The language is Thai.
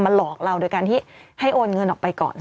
หลอกเราโดยการที่ให้โอนเงินออกไปก่อน